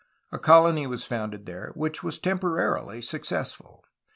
A colony was founded there, which was temporarily successful.